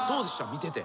見てて。